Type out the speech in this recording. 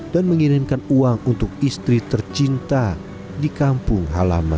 dan mengirimkan uang untuk istri tercinta di kampung halaman